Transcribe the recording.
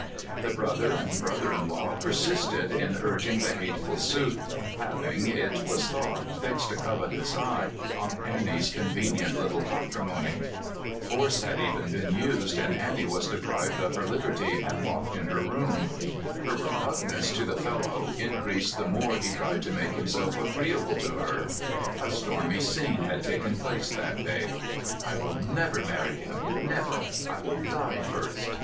The brother and brother in law per sisted in urging the hateful suit, having, it was thought, fixed a covetous eye on Annie's conven ient little patrimony. Force had even been used, and Annie was deprived of her liberty and locked in her room. Her repugnance to the fellow in creased the more he tried to make himself agreeable to her. A stormy scene had taken place that day. "I will never marr}' him— never! I will die first!